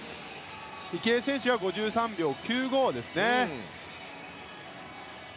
池江選手は５３秒９５ですね。